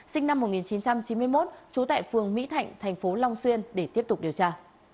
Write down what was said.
sinh năm một nghìn chín trăm chín mươi một trú tại phường mỹ thạnh thành phố long xuyên để tiếp tục điều tra